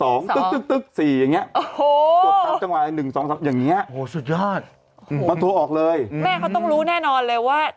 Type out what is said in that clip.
โอ้โหสุดยอดมันโทรออกเลยแม่เขาต้องรู้แน่นอนเลยว่า